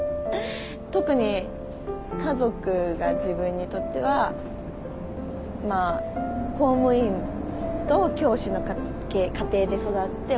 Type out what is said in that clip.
特に家族が自分にとってはまあ公務員と教師の家庭で育って。